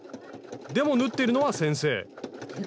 でも縫ってるのは先生。